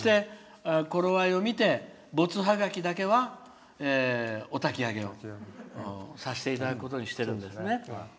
そして、頃合いを見てボツハガキだけは、おたきあげをさせていただくことにしているんですね。